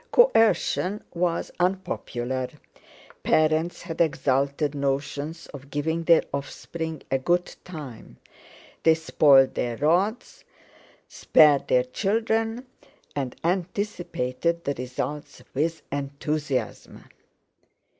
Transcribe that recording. Coercion was unpopular, parents had exalted notions of giving their offspring a good time. They spoiled their rods, spared their children, and anticipated the results with enthusiasm.